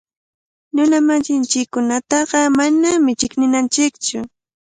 Runamasinchikkunataqa manami chiqninanchiktsu.